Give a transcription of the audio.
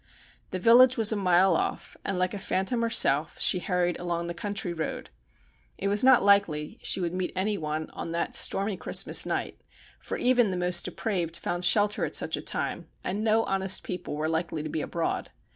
The village was a mile off, and like a phantom herself she hurried along the country road. It was not likely she would meet anyone on that 1 ii4 STORIES WEIRD AND WONDERFUL stormy Christmas night, for even the most depraved found shelter at such a time, and no honest people were likely to be abroad.